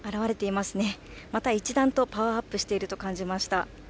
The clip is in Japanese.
また一段とパワーアップしていると感じました。